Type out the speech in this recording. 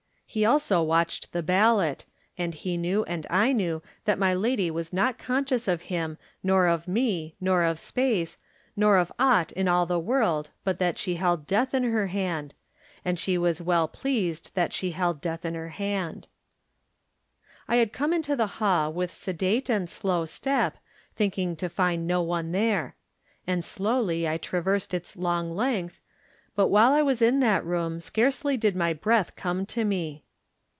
He also watched the ballot, and he knew and I knew that my lady was not conscious of him nor of me nor of space, nor of aught in all the world but that she held death in her hand, «7 Digitized by Google THE NINTH MAN and she was well pleased that she held death in her hand. I had come into the hall with sedate and slow step, thinking to find no one there. And slowly I traversed its long length, but while I was in that room scarcely did my breath come to me.